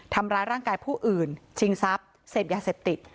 ทำร้ายร่างกายผู้อื่นชิงทรัพย์เสพยาเสพติด